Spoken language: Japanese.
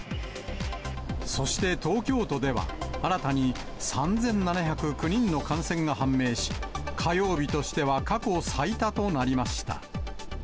そして東京都では、新たに３７０９人の感染が判明し、火曜日としては過去最多となりました。